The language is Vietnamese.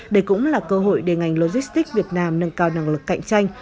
đây cũng là cơ hội để ngành logistics việt nam nâng cao năng lực cạnh tranh